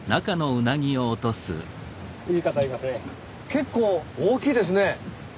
結構大きいですね。